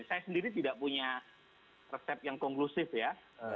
saya sendiri tidak punya resep yang konklusif ya